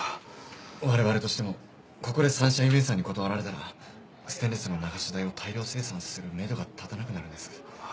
我々としてもここでサンシャインウェイさんに断られたらステンレスの流し台を大量生産するめどが立たなくなるんです。